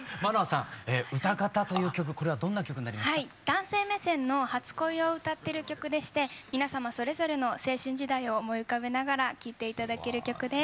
男性目線の初恋を歌ってる曲でして皆様それぞれの青春時代を思い浮かべながら聴いて頂ける曲です。